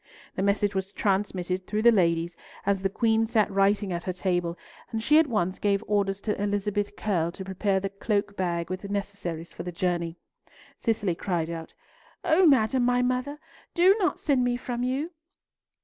The message was transmitted through the ladies as the Queen sat writing at her table, and she at once gave orders to Elizabeth Curll to prepare the cloak bag with necessaries for the journey. Cicely cried out, "O madam my mother, do not send me from you!"